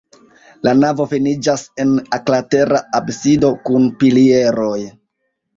La navo finiĝas en oklatera absido kun pilieroj.